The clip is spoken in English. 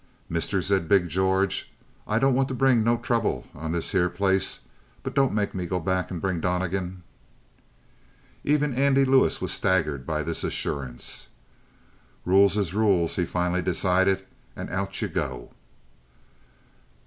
"Mister," said big George, "I don't want to bring no trouble on this heah place, but don't make me go back and bring Donnegan." Even Andy Lewis was staggered by this assurance. "Rules is rules," he finally decided. "And out you go."